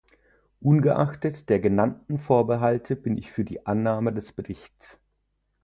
Ungeachtet der genannten Vorbehalte bin ich für die Annahme des Berichts.